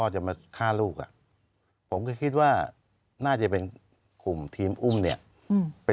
จะมาฆ่าลูกอ่ะผมก็คิดว่าน่าจะเป็นกลุ่มทีมอุ้มเนี่ยไป